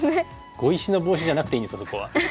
「碁石のボウシ」じゃなくていいんですかそこは。